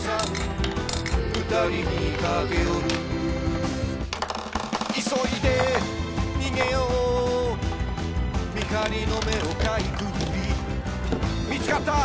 「ふたりにかけよる」「急いで逃げよう」「見張りの目をかいくぐり」「見つかった！